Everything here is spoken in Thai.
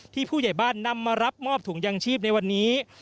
ผู้ใหญ่บ้านนำมารับมอบถุงยางชีพในวันนี้